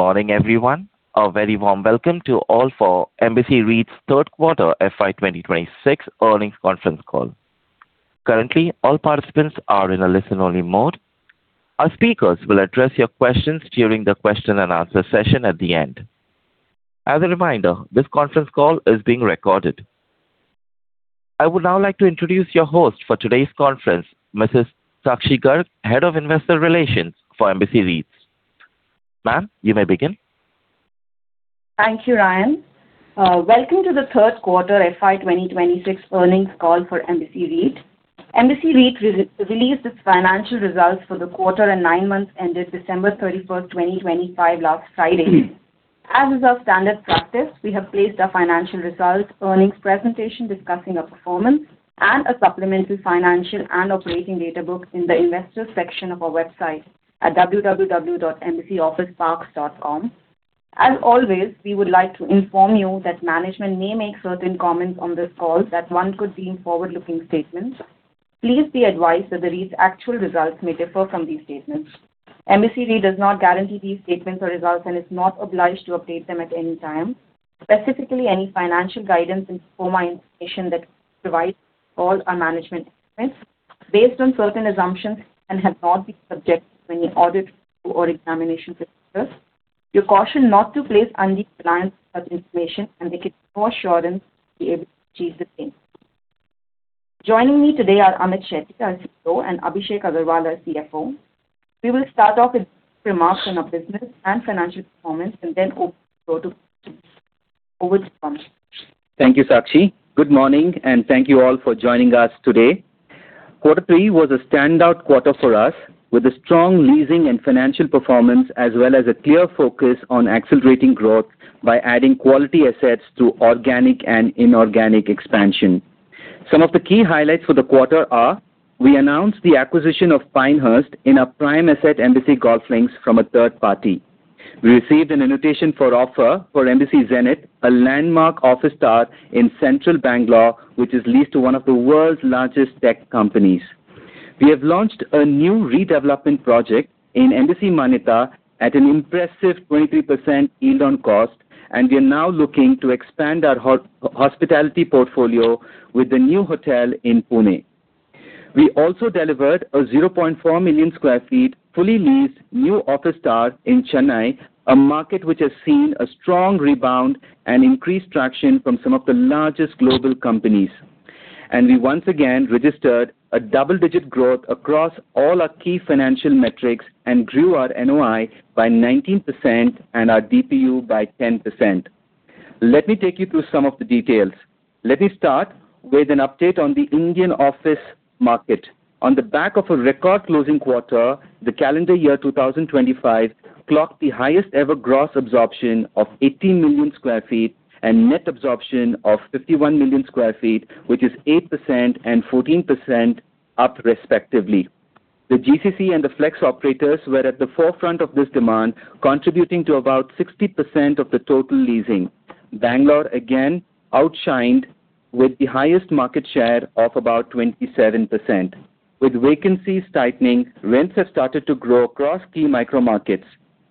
Morning everyone, a very warm welcome to all for Embassy REIT's third-quarter FY 2026 earnings conference call. Currently, all participants are in a listen-only mode. Our speakers will address your questions during the question-and-answer session at the end. As a reminder, this conference call is being recorded. I would now like to introduce your host for today's conference, Mrs. Sakshi Garg, Head of Investor Relations for Embassy REIT. Ma'am, you may begin. Thank you, Ryan. Welcome to the third-quarter FY 2026 earnings call for Embassy REIT. Embassy REIT released its financial results for the quarter and nine months ended December 31, 2025, last Friday. As is our standard practice, we have placed our financial results earnings presentation discussing our performance and a supplemental financial and operating data book in the investors section of our website at www.embassyofficeparks.com. As always, we would like to inform you that management may make certain comments on this call that one could deem forward-looking statements. Please be advised that the REIT's actual results may differ from these statements. Embassy REIT does not guarantee these statements or results and is not obliged to update them at any time. Specifically, any financial guidance and information that provides all our management experts based on certain assumptions and have not been subjected to any audit or examination process. You're cautioned not to place undue reliance on such information, and there can be no assurance that we will be able to achieve the same. Joining me today are Amit Shetty, our CEO, and Abhishek Agrawal, our CFO. We will start off with brief remarks on our business and financial performance and then open the floor to questions. Over to you, Amit. Thank you, Sakshi Garg. Good morning, and thank you all for joining us today. Quarter three was a standout quarter for us with a strong leasing and financial performance as well as a clear focus on accelerating growth by adding quality assets through organic and inorganic expansion. Some of the key highlights for the quarter are: we announced the acquisition of Pinehurst in a prime asset Embassy GolfLinks from a third party. We received a ROFO for Embassy Zenith, a landmark office asset in central Bangalore, which is leased to one of the world's largest tech companies. We have launched a new redevelopment project in Embassy Manyata at an impressive 23% yield on cost, and we are now looking to expand our hospitality portfolio with the new hotel in Pune. We also delivered a 0.4 million sq ft fully leased new office park in Chennai, a market which has seen a strong rebound and increased traction from some of the largest global companies. We once again registered a double-digit growth across all our key financial metrics and grew our NOI by 19% and our DPU by 10%. Let me take you through some of the details. Let me start with an update on the Indian office market. On the back of a record closing quarter, the calendar year 2025 clocked the highest-ever gross absorption of 18 million sq ft and net absorption of 51 million sq ft, which is 8% and 14% up respectively. The GCC and the flex operators were at the forefront of this demand, contributing to about 60% of the total leasing. Bangalore, again, outshined with the highest market share of about 27%. With vacancies tightening, rents have started to grow across key micro-markets.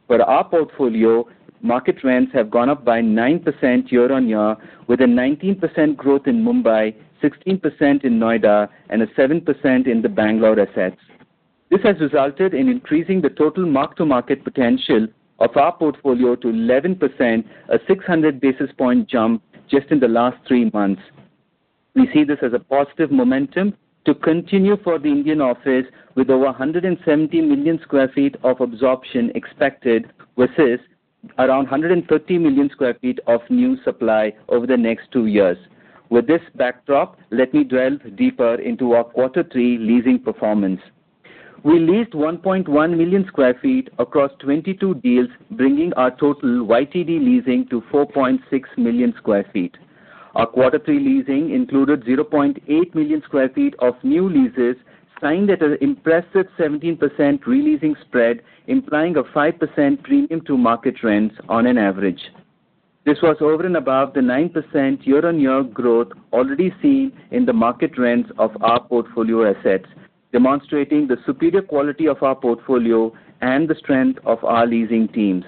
For our portfolio, market rents have gone up by 9% year-on-year, with a 19% growth in Mumbai, 16% in Noida, and a 7% in the Bangalore assets. This has resulted in increasing the total mark-to-market potential of our portfolio to 11%, a 600-basis-point jump just in the last three months. We see this as a positive momentum to continue for the Indian office, with over 170 million sq ft of absorption expected versus around 130 million sq ft of new supply over the next two years. With this backdrop, let me delve deeper into our quarter three leasing performance. We leased 1.1 million sq ft across 22 deals, bringing our total YTD leasing to 4.6 million sq ft. Our quarter three leasing included 0.8 million sq ft of new leases signed at an impressive 17% releasing spread, implying a 5% premium to market rents on an average. This was over and above the 9% year-on-year growth already seen in the market rents of our portfolio assets, demonstrating the superior quality of our portfolio and the strength of our leasing teams.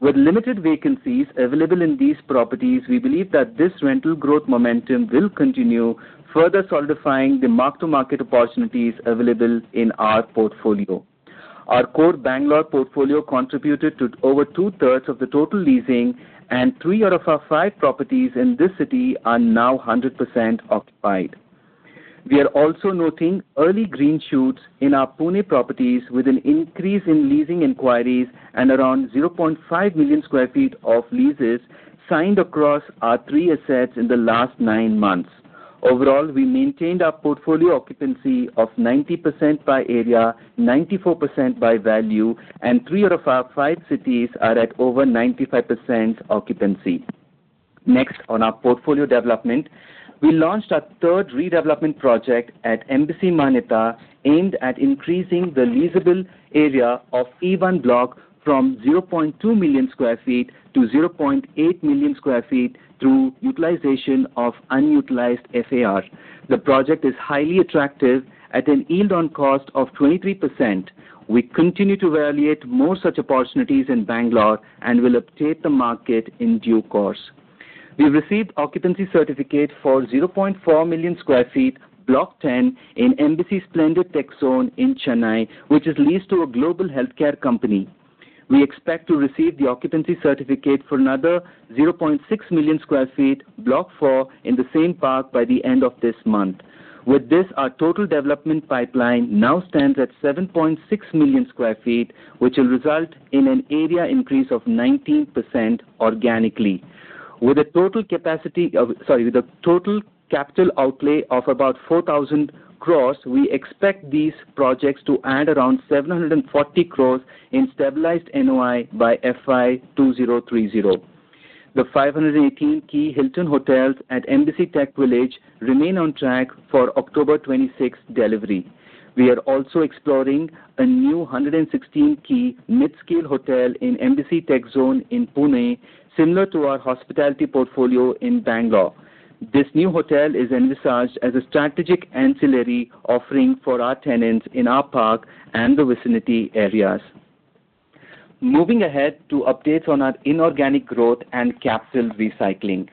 With limited vacancies available in these properties, we believe that this rental growth momentum will continue, further solidifying the mark-to-market opportunities available in our portfolio. Our core Bangalore portfolio contributed to over two-thirds of the total leasing, and three out of our five properties in this city are now 100% occupied. We are also noting early green shoots in our Pune properties, with an increase in leasing inquiries and around 0.5 million sq ft of leases signed across our three assets in the last nine months. Overall, we maintained our portfolio occupancy of 90% by area, 94% by value, and three out of our five cities are at over 95% occupancy. Next, on our portfolio development, we launched our third redevelopment project at Embassy Manyata, aimed at increasing the leasable area of E1 block from 0.2 million sq ft to 0.8 million sq ft through utilization of unutilized FAR. The project is highly attractive at a yield on cost of 23%. We continue to evaluate more such opportunities in Bangalore and will update the market in due course. We've received occupancy certificate for 0.4 million sq ft block 10 in Embassy Splendid Tech Zone in Chennai, which is leased to a global healthcare company. We expect to receive the occupancy certificate for another 0.6 million sq ft block 4 in the same park by the end of this month. With this, our total development pipeline now stands at 7.6 million sq ft, which will result in an area increase of 19% organically. With a total capacity of sorry, with a total capital outlay of about 4,000 crore, we expect these projects to add around 740 crore in stabilized NOI by FY 2030. The 518-key Hilton hotels at Embassy TechVillage remain on track for October 26 delivery. We are also exploring a new 116-key mid-scale hotel in Embassy TechZone in Pune, similar to our hospitality portfolio in Bangalore. This new hotel is envisaged as a strategic ancillary offering for our tenants in our park and the vicinity areas. Moving ahead to updates on our inorganic growth and capital recycling.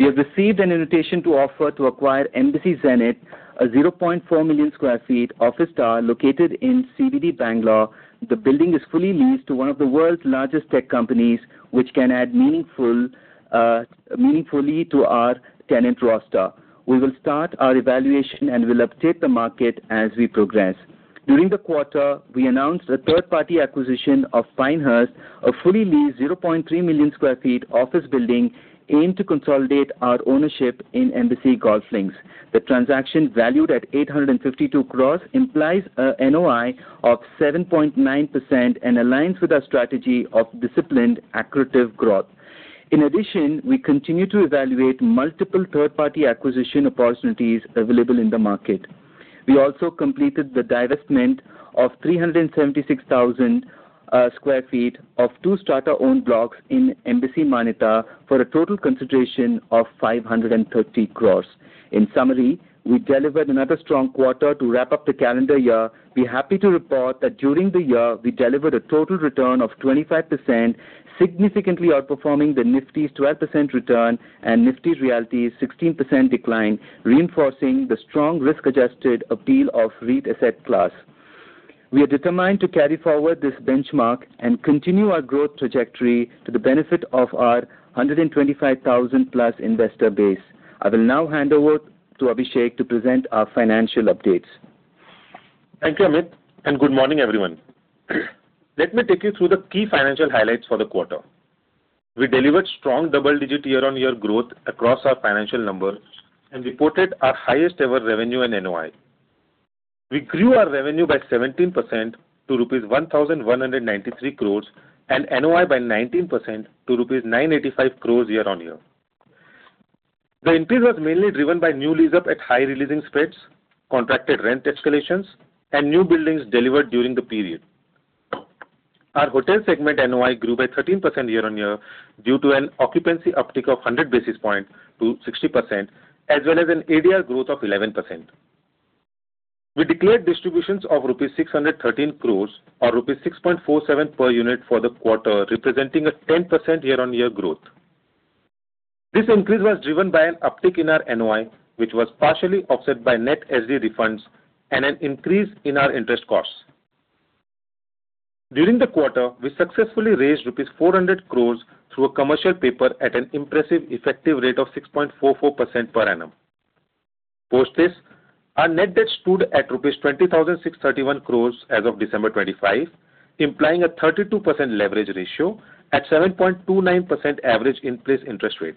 We have received an invitation to offer to acquire Embassy Zenith, a 0.4 million sq ft office asset located in CBD Bangalore. The building is fully leased to one of the world's largest tech companies, which can add meaningfully to our tenant roster. We will start our evaluation and will update the market as we progress. During the quarter, we announced a third-party acquisition of Pinehurst, a fully leased 0.3 million sq ft office building aimed to consolidate our ownership in Embassy GolfLinks. The transaction, valued at 852 crore, implies a NOI of 7.9% and aligns with our strategy of disciplined, accretive growth. In addition, we continue to evaluate multiple third-party acquisition opportunities available in the market. We also completed the divestment of 376,000 sq ft of two sponsor-owned blocks in Embassy Manyata for a total consideration of 530 crore. In summary, we delivered another strong quarter. To wrap up the calendar year, we're happy to report that during the year, we delivered a total return of 25%, significantly outperforming the Nifty's 12% return and Nifty Realty's 16% decline, reinforcing the strong risk-adjusted appeal of REIT asset class. We are determined to carry forward this benchmark and continue our growth trajectory to the benefit of our 125,000-plus investor base. I will now hand over to Abhishek to present our financial updates. Thank you, Amit, and good morning, everyone. Let me take you through the key financial highlights for the quarter. We delivered strong double-digit year-on-year growth across our financial numbers and reported our highest-ever revenue and NOI. We grew our revenue by 17% to rupees 1,193 crores and NOI by 19% to rupees 985 crores year-on-year. The increase was mainly driven by new lease-up at high releasing spreads, contracted rent escalations, and new buildings delivered during the period. Our hotel segment NOI grew by 13% year-on-year due to an occupancy uptick of 100 basis points to 60%, as well as an ADR growth of 11%. We declared distributions of rupees 613 crores or rupees 6.47 per unit for the quarter, representing a 10% year-on-year growth. This increase was driven by an uptick in our NOI, which was partially offset by net SD refunds and an increase in our interest costs. During the quarter, we successfully raised 400 crore rupees through a commercial paper at an impressive effective rate of 6.44% per annum. Post this, our net debt stood at rupees 20,631 crore as of December 25, implying a 32% leverage ratio at 7.29% average in-place interest rate.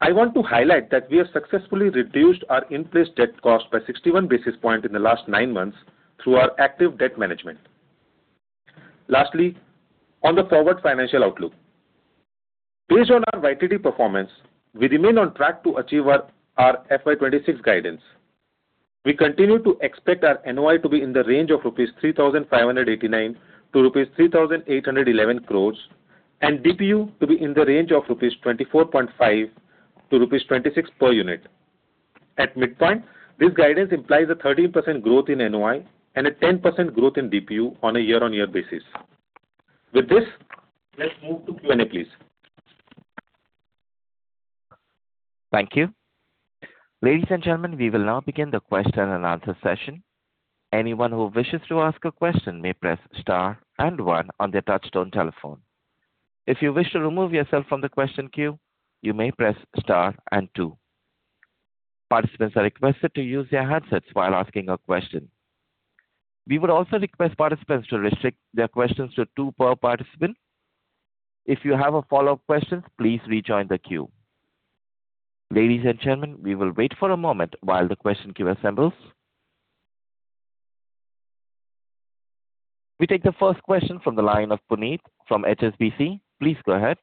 I want to highlight that we have successfully reduced our in-place debt cost by 61 basis points in the last nine months through our active debt management. Lastly, on the forward financial outlook. Based on our YTD performance, we remain on track to achieve our FY 26 guidance. We continue to expect our NOI to be in the range of 3,589-3,811 crores rupees and DPU to be in the range of 24.5-26 rupees per unit. At midpoint, this guidance implies a 13% growth in NOI and a 10% growth in DPU on a year-on-year basis. With this, let's move to Q&A, please. Thank you. Ladies and gentlemen, we will now begin the question and answer session. Anyone who wishes to ask a question may press star and one on their touch-tone telephone. If you wish to remove yourself from the question queue, you may press star and two. Participants are requested to use their headsets while asking a question. We would also request participants to restrict their questions to two per participant. If you have follow-up questions, please rejoin the queue. Ladies and gentlemen, we will wait for a moment while the question queue assembles. We take the first question from the line of Puneet from HSBC. Please go ahead.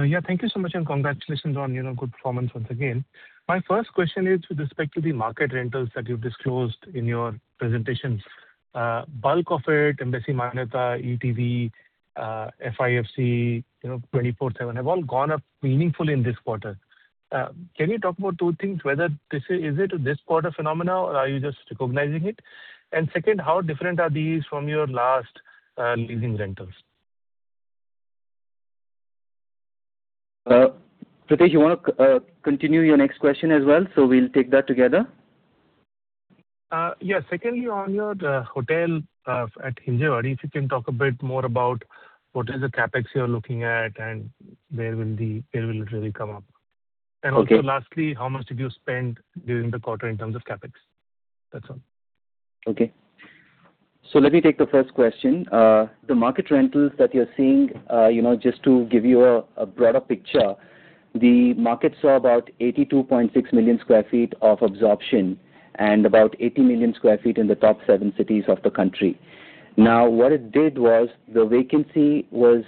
Yeah, thank you so much and congratulations on good performance once again. My first question is with respect to the market rentals that you've disclosed in your presentations. Bulk of it, Embassy Manyata, ETV, FIFC, 247, have all gone up meaningfully in this quarter. Can you talk about two things? Whether is it this quarter phenomenon or are you just recognizing it? And second, how different are these from your last leasing rentals? Pritesh, you want to continue your next question as well? So we'll take that together. Yeah. Secondly, on your hotel at Hinjawadi, if you can talk a bit more about what is the Capex you're looking at and where will it really come up? And also lastly, how much did you spend during the quarter in terms of Capex? That's all. Okay. So let me take the first question. The market rentals that you're seeing, just to give you a broader picture, the market saw about 82.6 million sq ft of absorption and about 80 million sq ft in the top seven cities of the country. Now, what it did was the vacancy was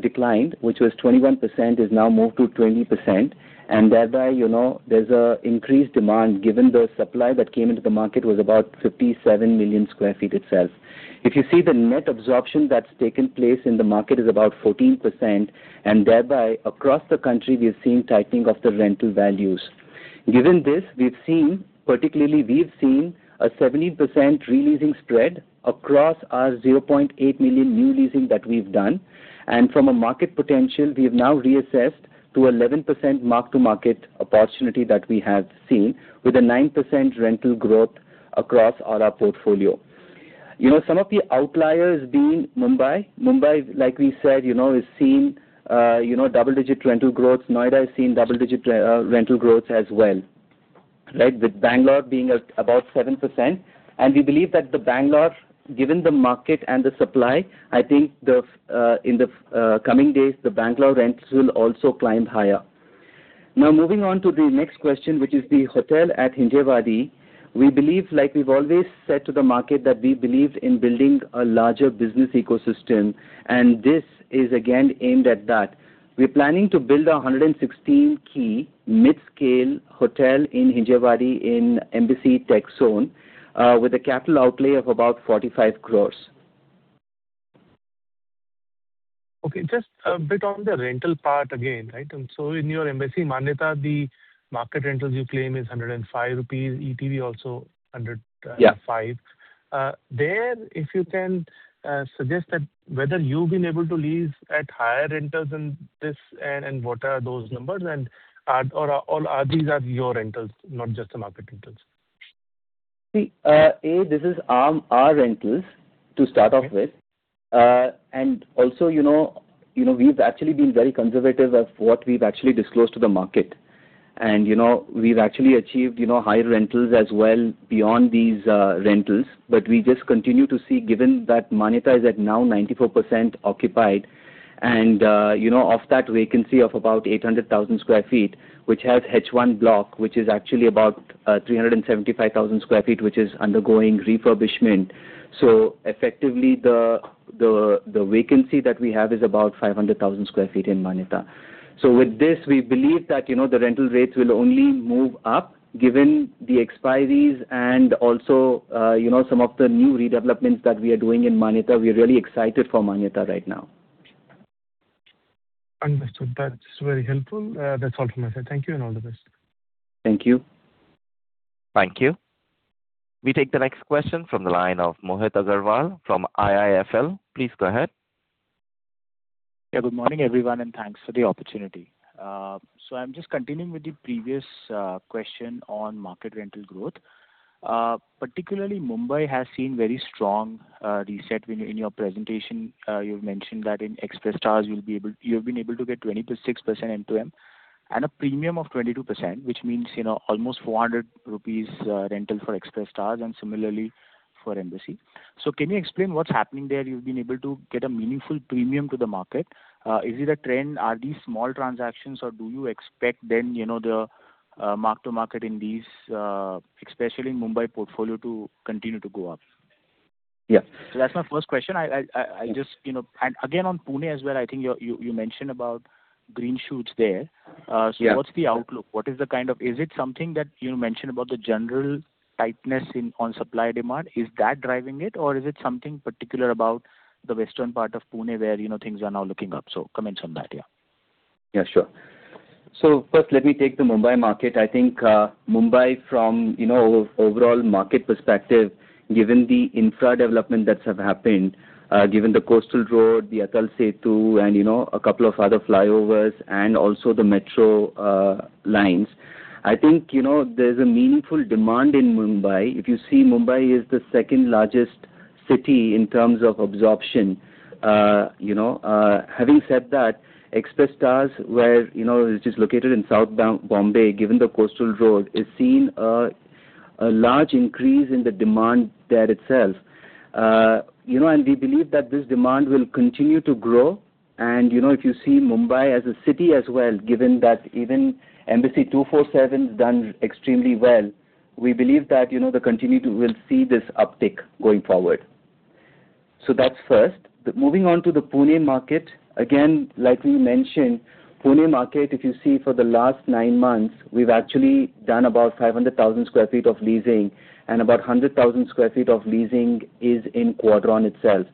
declined, which was 21%, is now moved to 20%. And thereby, there's an increased demand given the supply that came into the market was about 57 million sq ft itself. If you see the net absorption that's taken place in the market is about 14%. And thereby, across the country, we've seen tightening of the rental values. Given this, we've seen particularly, we've seen a 17% releasing spread across our 0.8 million new leasing that we've done. And from a market potential, we have now reassessed to 11% mark-to-market opportunity that we have seen with a 9% rental growth across all our portfolio. Some of the outliers being Mumbai. Mumbai, like we said, is seeing double-digit rental growths. Noida is seeing double-digit rental growths as well, right, with Bangalore being about 7%. And we believe that the Bangalore, given the market and the supply, I think in the coming days, the Bangalore rents will also climb higher. Now, moving on to the next question, which is the hotel at Hinjawadi. We believe, like we've always said to the market, that we believed in building a larger business ecosystem. And this is, again, aimed at that. We're planning to build a 116-key mid-scale hotel in Hinjawadi in Embassy Tech Zone with a capital outlay of about 45 crores. Okay. Just a bit on the rental part again, right? So in your Embassy Manyata, the market rentals you claim is 105 rupees, ETV also 105. There, if you can suggest whether you've been able to lease at higher rentals than this and what are those numbers? And all these are your rentals, not just the market rentals. See, A, this is our rentals to start off with. And also, we've actually been very conservative of what we've actually disclosed to the market. And we've actually achieved higher rentals as well beyond these rentals. But we just continue to see, given that Manyata is at now 94% occupied and off that vacancy of about 800,000 sq ft, which has H1 block, which is actually about 375,000 sq ft, which is undergoing refurbishment. So effectively, the vacancy that we have is about 500,000 sq ft in Manyata. So with this, we believe that the rental rates will only move up given the expiries and also some of the new redevelopments that we are doing in Manyata. We're really excited for Manyata right now. Understood. That's very helpful. That's all from us. Thank you and all the best. Thank you. Thank you. We take the next question from the line of Mohit Agrawal from IIFL. Please go ahead. Yeah, good morning, everyone, and thanks for the opportunity. So I'm just continuing with the previous question on market rental growth. Particularly, Mumbai has seen very strong reset. In your presentation, you've mentioned that in Express Towers, you've been able to get 26% M2M and a premium of 22%, which means almost 400 rupees rental for Express Towers and similarly for Embassy 247. So can you explain what's happening there? You've been able to get a meaningful premium to the market. Is it a trend? Are these small transactions, or do you expect then the mark-to-market in these, especially in Mumbai portfolio, to continue to go up? Yeah. So that's my first question. I just and again, on Pune as well, I think you mentioned about green shoots there. So what's the outlook? What is the kind of is it something that you mentioned about the general tightness on supply-demand? Is that driving it, or is it something particular about the western part of Pune where things are now looking up? So comment on that, yeah. Yeah, sure. So first, let me take the Mumbai market. I think Mumbai, from overall market perspective, given the infra development that's happened, given the coastal road, the Atal Setu, and a couple of other flyovers, and also the metro lines, I think there's a meaningful demand in Mumbai. If you see, Mumbai is the second-largest city in terms of absorption. Having said that, Express Towers, where it's just located in South Mumbai, given the coastal road, is seeing a large increase in the demand there itself. And we believe that this demand will continue to grow. And if you see Mumbai as a city as well, given that even Embassy 247 has done extremely well, we believe that we'll see this uptick going forward. So that's first. Moving on to the Pune market. Again, like we mentioned, Pune market, if you see, for the last 9 months, we've actually done about 500,000 sq ft of leasing. About 100,000 sq ft of leasing is in Quadron itself.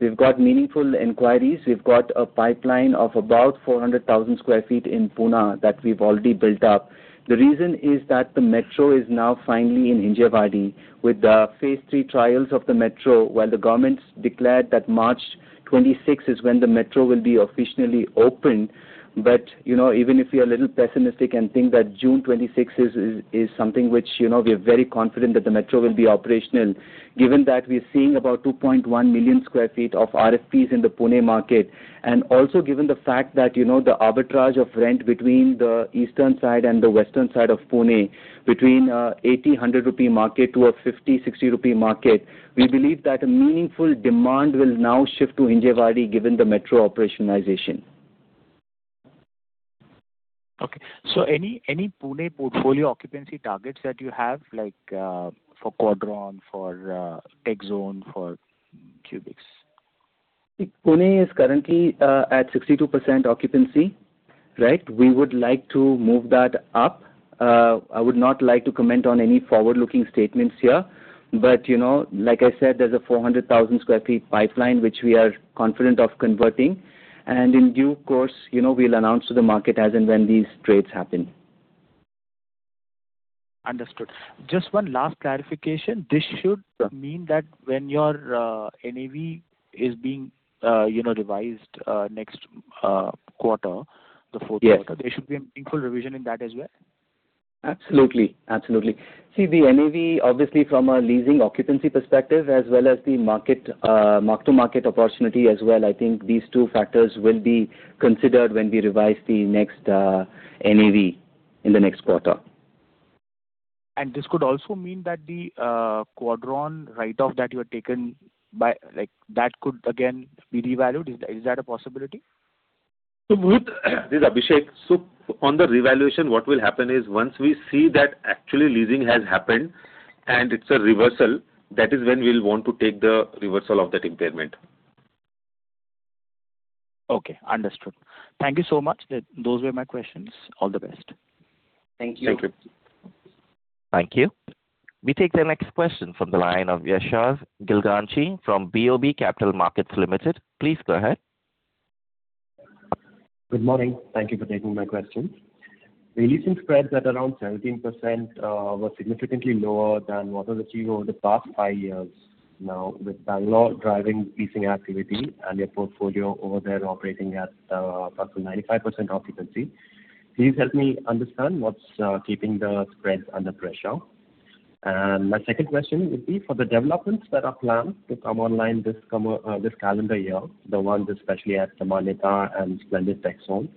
We've got meaningful inquiries. We've got a pipeline of about 400,000 sq ft in Pune that we've already built up. The reason is that the metro is now finally in Hinjawadi with the phase 3 trials of the metro while the government declared that March 26 is when the metro will be officially open. But even if you're a little pessimistic and think that June 26 is something which we are very confident that the metro will be operational, given that we're seeing about 2.1 million sq ft of RFPs in the Pune market, and also given the fact that the arbitrage of rent between the eastern side and the western side of Pune, between an 80-100 rupee market to an 50-60 rupee market, we believe that a meaningful demand will now shift to Hinjawadi given the metro operationalization. Okay. So any Pune portfolio occupancy targets that you have for Quadron, for Tech Zone, for Qubix? See, Pune is currently at 62% occupancy, right? We would like to move that up. I would not like to comment on any forward-looking statements here. But like I said, there's a 400,000 sq ft pipeline, which we are confident of converting. And in due course, we'll announce to the market as and when these trades happen. Understood. Just one last clarification. This should mean that when your NAV is being revised next quarter, the fourth quarter, there should be a meaningful revision in that as well? Absolutely. Absolutely. See, the NAV, obviously, from a leasing occupancy perspective, as well as the mark-to-market opportunity as well, I think these two factors will be considered when we revise the next NAV in the next quarter. This could also mean that the Quadron write-off that you have taken by that could, again, be revalued. Is that a possibility? This is Abhishek. So on the revaluation, what will happen is once we see that actually leasing has happened and it's a reversal, that is when we'll want to take the reversal of that impairment. Okay. Understood. Thank you so much. Those were my questions. All the best. Thank you. Thank you. Thank you. We take the next question from the line of Yashas Gilganchi from BOB Capital Markets Limited. Please go ahead. Good morning. Thank you for taking my question. The leasing spreads at around 17% were significantly lower than what was achieved over the past five years now with Bangalore driving leasing activity and their portfolio over there operating at approximately 95% occupancy. Please help me understand what's keeping the spreads under pressure. And my second question would be, for the developments that are planned to come online this calendar year, the ones especially at Manyata and Splendid Tech Zone,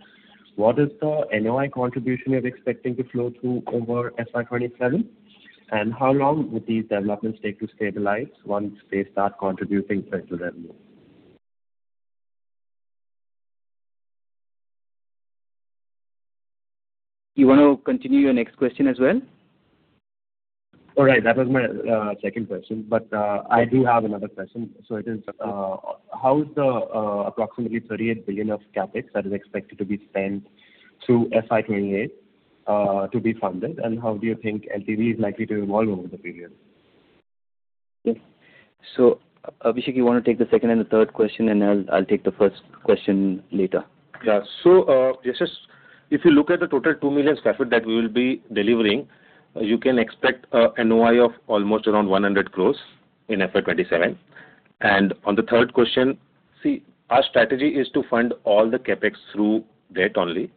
what is the NOI contribution you're expecting to flow through over FY27? And how long would these developments take to stabilize once they start contributing rental revenue? You want to continue your next question as well? All right. That was my second question. But I do have another question. So it is, how is the approximately 38 billion of Capex that is expected to be spent through FY28 to be funded? And how do you think LTV is likely to evolve over the period? Yes. So Abhishek, you want to take the second and the third question, and I'll take the first question later. Yeah. So Yashav, if you look at the total 2 million sq ft that we will be delivering, you can expect an NOI of almost around 100 crore in FY27. On the third question, see, our strategy is to fund all the capex through debt only.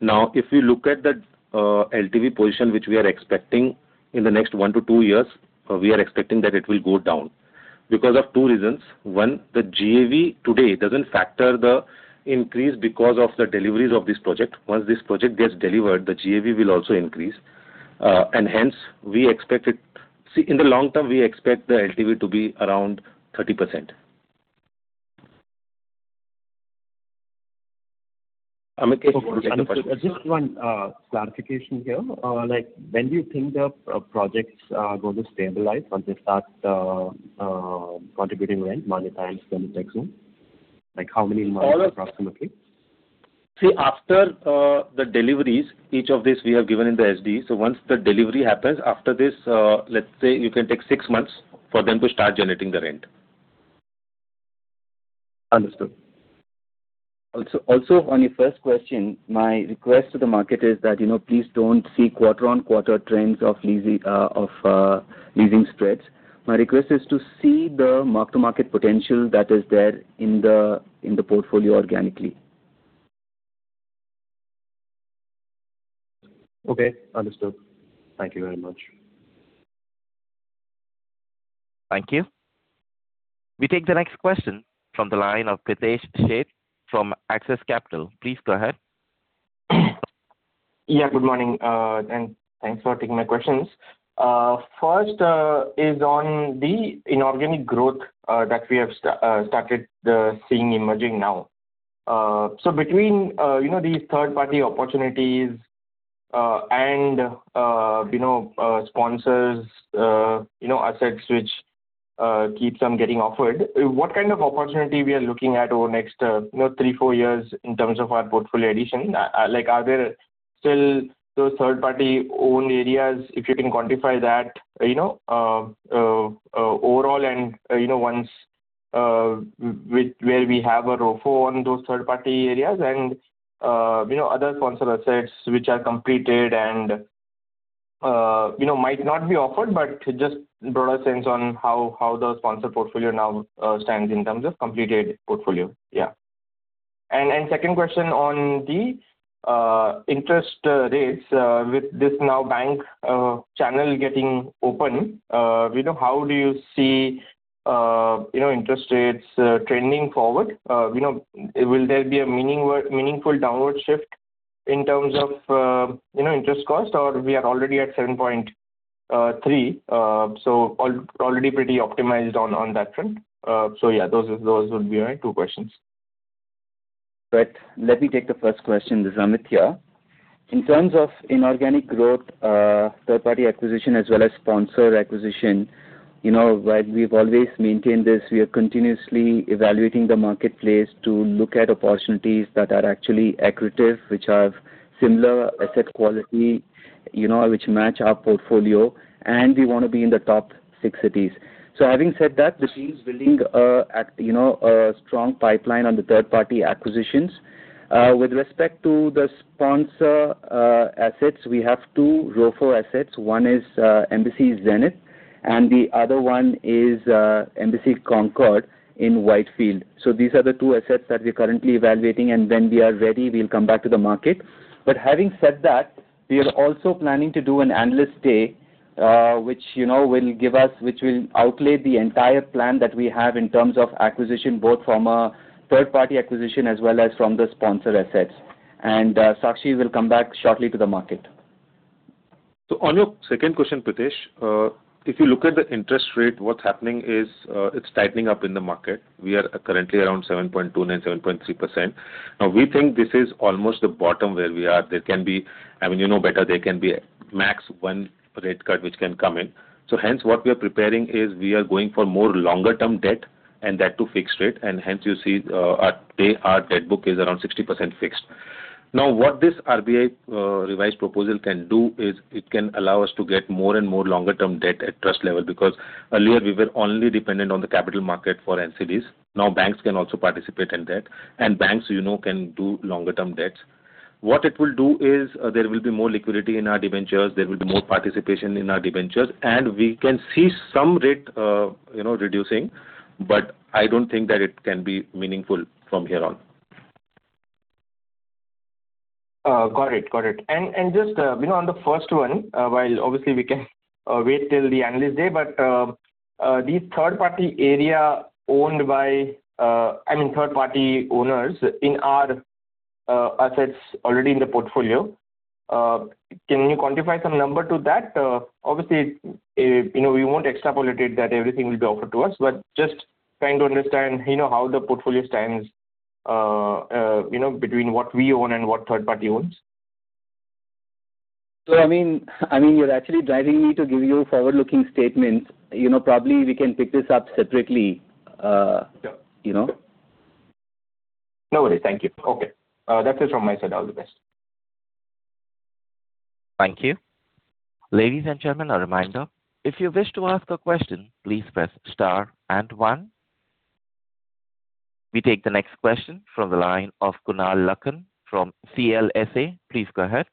Now, if we look at the LTV position, which we are expecting in the next 1-2 years, we are expecting that it will go down because of 2 reasons. One, the GAV today doesn't factor the increase because of the deliveries of this project. Once this project gets delivered, the GAV will also increase. And hence, we expect it see, in the long term, we expect the LTV to be around 30%. Amit Kharche, you want to take the first question? Just one clarification here. When do you think the projects are going to stabilize once they start contributing rent, Manyata and Splendid Tech Zone? How many months approximately? See, after the deliveries, each of these we have given in the SD. So once the delivery happens, after this, let's say you can take six months for them to start generating the rent. Understood. Also, on your first question, my request to the market is that please don't see quarter-on-quarter trends of leasing spreads. My request is to see the mark-to-market potential that is there in the portfolio organically. Okay. Understood. Thank you very much. Thank you. We take the next question from the line of Pritesh Sheth from Axis Capital. Please go ahead. Yeah, good morning. And thanks for taking my questions. First is on the inorganic growth that we have started seeing emerging now. So between these third-party opportunities and sponsors, assets which keep them getting offered, what kind of opportunity we are looking at over the next 3, 4 years in terms of our portfolio addition? Are there still those third-party-owned areas, if you can quantify that overall and ones where we have a ROFO on those third-party areas and other sponsor assets which are completed and might not be offered, but just broader sense on how the sponsor portfolio now stands in terms of completed portfolio, yeah? And second question on the interest rates, with this now bank channel getting open, how do you see interest rates trending forward? Will there be a meaningful downward shift in terms of interest cost, or we are already at 7.3? So already pretty optimized on that front. So yeah, those would be my two questions. Right. Let me take the first question. This is Amit here. In terms of inorganic growth, third-party acquisition, as well as sponsor acquisition, while we've always maintained this, we are continuously evaluating the marketplace to look at opportunities that are actually equitable, which have similar asset quality, which match our portfolio. And we want to be in the top six cities. So having said that, the team's building a strong pipeline on the third-party acquisitions. With respect to the sponsor assets, we have two ROFO assets. One is Embassy Zenith, and the other one is Embassy Concord in Whitefield. So these are the two assets that we are currently evaluating. And when we are ready, we'll come back to the market. But having said that, we are also planning to do an analyst day, which will outline the entire plan that we have in terms of acquisition, both from a third-party acquisition as well as from the sponsor assets. Sakshi will come back shortly to the market. So on your second question, Pritesh, if you look at the interest rate, what's happening is it's tightening up in the market. We are currently around 7.29%-7.3%. Now, we think this is almost the bottom where we are. There can be I mean, you know better, there can be max one rate cut which can come in. So hence, what we are preparing is we are going for more longer-term debt and that to fix rate. And hence, you see, today our debt book is around 60% fixed. Now, what this RBI revised proposal can do is it can allow us to get more and more longer-term debt at trust level because earlier, we were only dependent on the capital market for NCDs. Now, banks can also participate in debt. And banks can do longer-term debts. What it will do is there will be more liquidity in our debentures. There will be more participation in our debentures. We can see some rate reducing. I don't think that it can be meaningful from here on. Got it. Got it. Just on the first one, while obviously, we can wait till the analyst day, but these third-party area owned by I mean, third-party owners in our assets already in the portfolio, can you quantify some number to that? Obviously, we won't extrapolate that everything will be offered to us, but just trying to understand how the portfolio stands between what we own and what third-party owns. I mean, you're actually driving me to give you forward-looking statements. Probably, we can pick this up separately. No worries. Thank you. Okay. That's it from my side. All the best. Thank you. Ladies and gentlemen, a reminder, if you wish to ask a question, please press star and one. We take the next question from the line of Kunal Lakhan from CLSA. Please go ahead.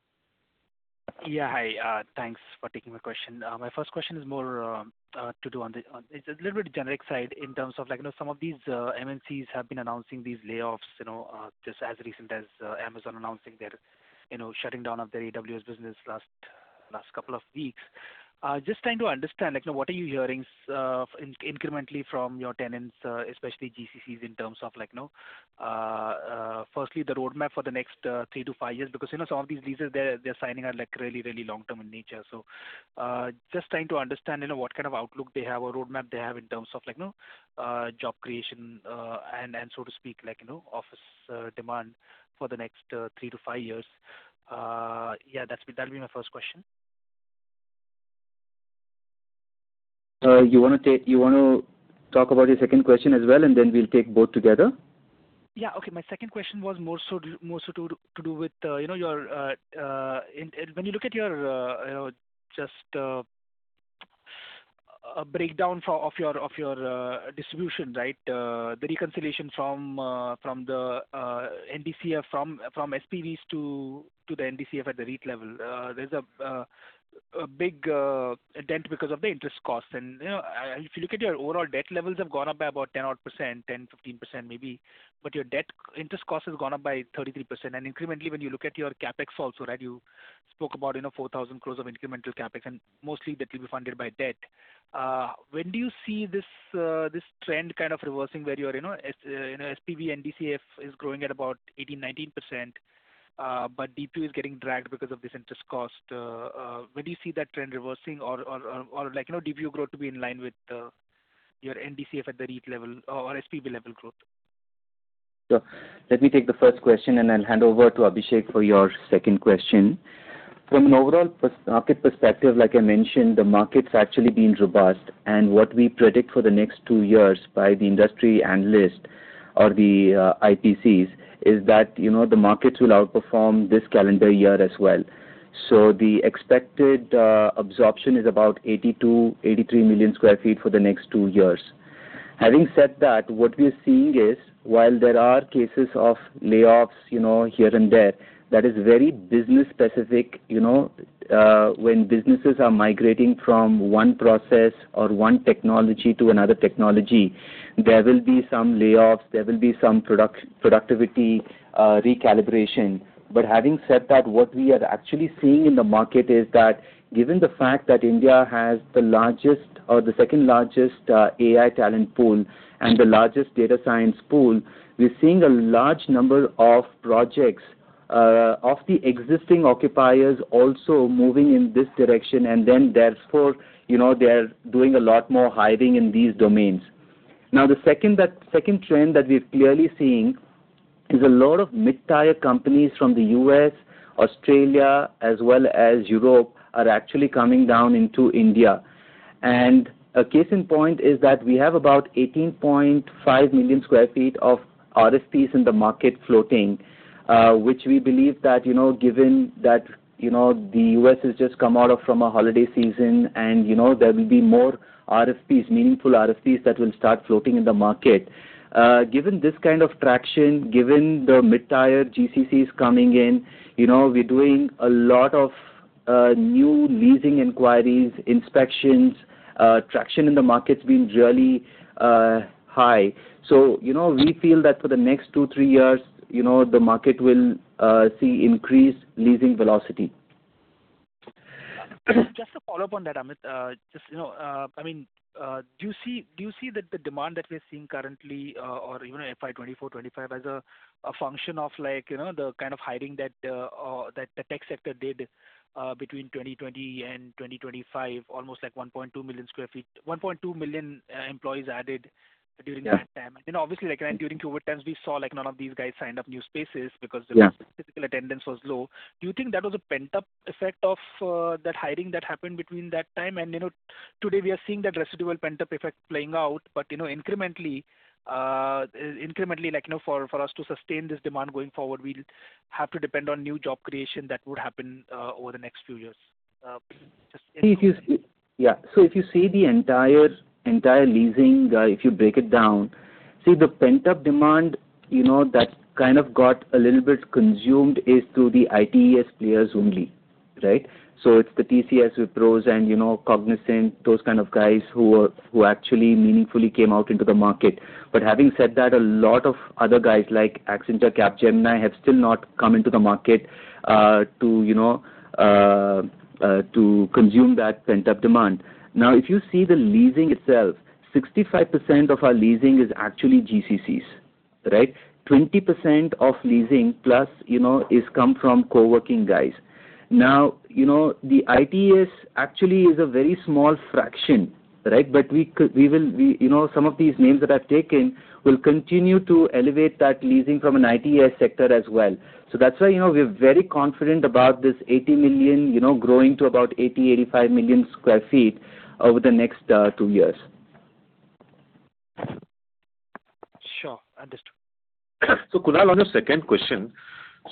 Yeah. Hi. Thanks for taking my question. My first question is more to do on the it's a little bit generic side in terms of some of these MNCs have been announcing these layoffs just as recently as Amazon announcing their shutting down of their AWS business last couple of weeks. Just trying to understand, what are you hearing incrementally from your tenants, especially GCCs, in terms of firstly, the roadmap for the next three to five years? Because some of these lessees, they're signing out really, really long-term in nature. So just trying to understand what kind of outlook they have or roadmap they have in terms of job creation and, so to speak, office demand for the next three to five years. Yeah, that'll be my first question. You want to talk about your second question as well, and then we'll take both together? Yeah. Okay. My second question was more so to do with your when you look at your just a breakdown of your distribution, right, the reconciliation from the NDCF from SPVs to the NDCF at the REIT level, there's a big dent because of the interest cost. And if you look at your overall debt levels, have gone up by about 10-odd%, 10%-15% maybe. But your interest cost has gone up by 33%. And incrementally, when you look at your CapEx also, right, you spoke about 4,000 crore of incremental CapEx. And mostly, that will be funded by debt. When do you see this trend kind of reversing where you are SPV, NDCF is growing at about 18%-19%, but DPU is getting dragged because of this interest cost? When do you see that trend reversing? Or do you view growth to be in line with your NDCF at the REIT level or SPV level growth? So let me take the first question, and I'll hand over to Abhishek for your second question. From an overall market perspective, like I mentioned, the market's actually been robust. And what we predict for the next two years by the industry analyst or the IPCs is that the markets will outperform this calendar year as well. So the expected absorption is about 82-83 million sq ft for the next two years. Having said that, what we are seeing is while there are cases of layoffs here and there, that is very business-specific. When businesses are migrating from one process or one technology to another technology, there will be some layoffs. There will be some productivity recalibration. But having said that, what we are actually seeing in the market is that given the fact that India has the largest or the second largest AI talent pool and the largest data science pool, we're seeing a large number of projects of the existing occupiers also moving in this direction. And then therefore, they're doing a lot more hiring in these domains. Now, the second trend that we're clearly seeing is a lot of mid-tier companies from the U.S., Australia, as well as Europe are actually coming down into India. And a case in point is that we have about 18.5 million sq ft of RFPs in the market floating, which we believe that given that the U.S. has just come out from a holiday season, and there will be more meaningful RFPs that will start floating in the market. Given this kind of traction, given the mid-tier GCCs coming in, we're doing a lot of new leasing inquiries, inspections. Traction in the market's been really high. So we feel that for the next 2, 3 years, the market will see increased leasing velocity. Just to follow up on that, Amit, just I mean, do you see that the demand that we're seeing currently or even FY2024, 2025 as a function of the kind of hiring that the tech sector did between 2020 and 2025, almost like 1.2 million sq ft, 1.2 million employees added during that time? And obviously, during COVID times, we saw none of these guys sign up new spaces because their attendance was low. Do you think that was a pent-up effect of that hiring that happened between that time? And today, we are seeing that residual pent-up effect playing out. But incrementally, for us to sustain this demand going forward, we'll have to depend on new job creation that would happen over the next few years. Just incrementally. Yeah. So if you see the entire leasing, if you break it down, see, the pent-up demand that kind of got a little bit consumed is through the ITES players only, right? So it's the TCS, Wipro, and Cognizant, those kind of guys who actually meaningfully came out into the market. But having said that, a lot of other guys like Accenture, Capgemini have still not come into the market to consume that pent-up demand. Now, if you see the leasing itself, 65% of our leasing is actually GCCs, right? 20% of leasing plus has come from coworking guys. Now, the ITES actually is a very small fraction, right? But we'll see some of these names that I've taken will continue to elevate that leasing from an ITES sector as well. So that's why we're very confident about this 80 million growing to about 80-85 million sq ft over the next two years. Sure. Understood. So Kunal, on your second question,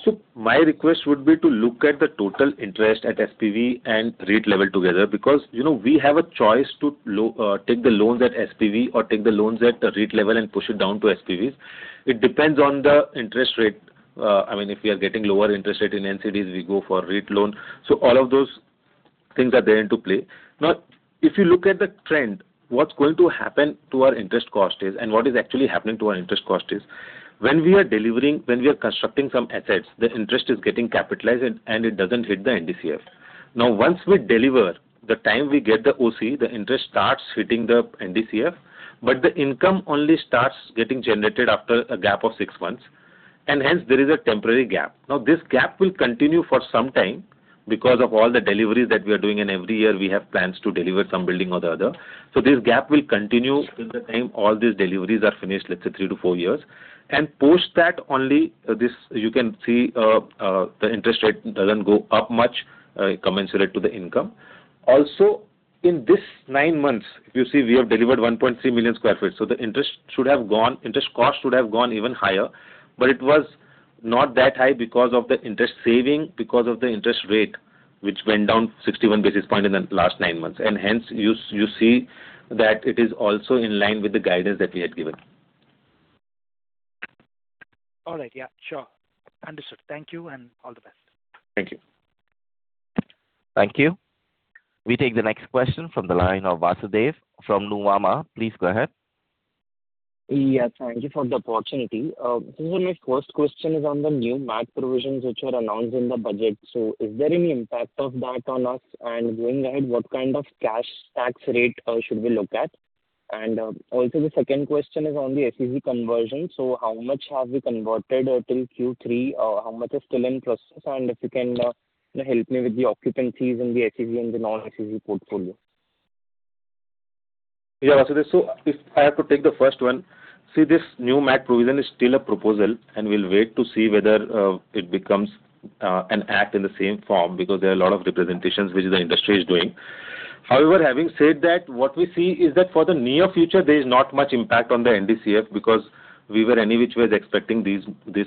so my request would be to look at the total interest at SPV and REIT level together because we have a choice to take the loans at SPV or take the loans at REIT level and push it down to SPVs. It depends on the interest rate. I mean, if we are getting lower interest rate in NCDs, we go for REIT loan. So all of those things are there into play. Now, if you look at the trend, what's going to happen to our interest cost is and what is actually happening to our interest cost is when we are delivering when we are constructing some assets, the interest is getting capitalized, and it doesn't hit the NDCF. Now, once we deliver, the time we get the OC, the interest starts hitting the NDCF. But the income only starts getting generated after a gap of 6 months. And hence, there is a temporary gap. Now, this gap will continue for some time because of all the deliveries that we are doing. And every year, we have plans to deliver some building or the other. So this gap will continue till the time all these deliveries are finished, let's say, 3-4 years, and push that only. You can see the interest rate doesn't go up much, commensurate to the income. Also, in these 9 months, if you see, we have delivered 1.3 million sq ft. So the interest should have gone interest cost should have gone even higher. But it was not that high because of the interest saving, because of the interest rate, which went down 61 basis point in the last 9 months. Hence, you see that it is also in line with the guidance that we had given. All right. Yeah. Sure. Understood. Thank you, and all the best. Thank you. Thank you. We take the next question from the line of Vasudev from Nuvama. Please go ahead. Yeah. Thank you for the opportunity. So my first question is on the new MAT provisions, which were announced in the budget. So is there any impact of that on us? And going ahead, what kind of cash tax rate should we look at? And also, the second question is on the SEZ conversion. So how much have we converted till Q3? How much is still in process? And if you can help me with the occupancies in the SEZ and the non-SEZ portfolio. Yeah, Vasudev. So if I have to take the first one, see, this new MAT provision is still a proposal. And we'll wait to see whether it becomes an act in the same form because there are a lot of representations, which the industry is doing. However, having said that, what we see is that for the near future, there is not much impact on the NDCF because we were any which ways expecting these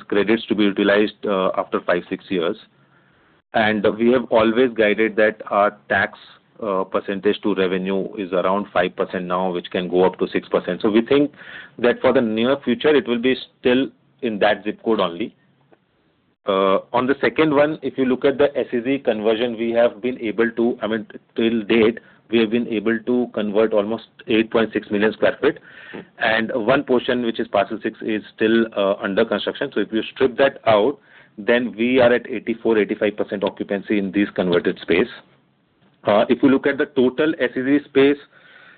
credits to be utilized after 5-6 years. And we have always guided that our tax percentage to revenue is around 5% now, which can go up to 6%. So we think that for the near future, it will be still in that zip code only. On the second one, if you look at the SEZ conversion, we have been able to I mean, till date, we have been able to convert almost 8.6 million sq ft. And one portion, which is parcel 6, is still under construction. So if you strip that out, then we are at 84%-85% occupancy in this converted space. If you look at the total SEZ space,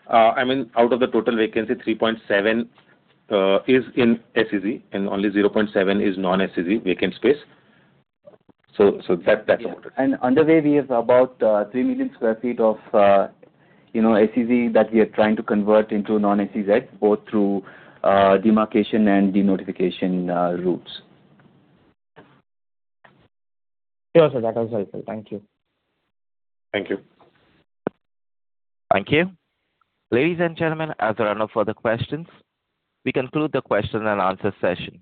I mean, out of the total vacancy, 3.7 is in SEZ, and only 0.7 is non-SEZ vacant space. So that's about it. On the way, we have about 3 million sq ft of SEZ that we are trying to convert into non-SEZ, both through demarcation and de-notification routes. Yes, sir. That answer helpful. Thank you. Thank you. Thank you. Ladies and gentlemen, as there are no further questions, we conclude the question-and-answer session.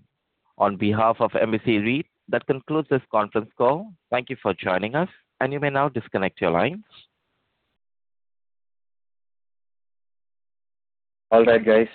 On behalf of Embassy REIT, that concludes this conference call. Thank you for joining us. You may now disconnect your lines. All right, guys.